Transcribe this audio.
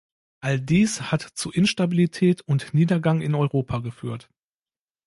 All dies hat zu Instabilität und Niedergang in Europa geführt.